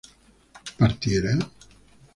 ¿partiera?